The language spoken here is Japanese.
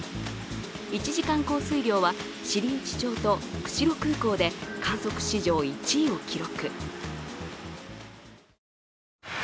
１時間降水量は知内町と釧路空港で観測史上１位を記録。